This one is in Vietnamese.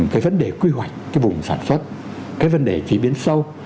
cái vấn đề quy hoạch cái vùng sản xuất cái vấn đề chế biến sâu